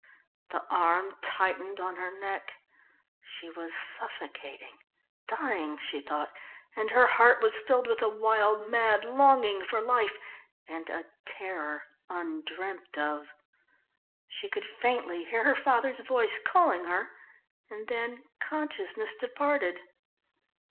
The arm tightened on her neck. She was suffocating, dying she thought, and her heart was filled with a wild, mad longing for life and a terror undreamt of. She could faintly hear her father's voice calling her and then consciousness departed.